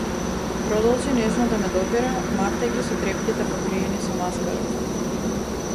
Продолжи нежно да ме допира, мавтајќи со трепките покриени со маскара.